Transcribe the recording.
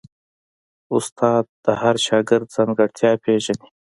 استاد د هر شاګرد ځانګړتیا پېژني.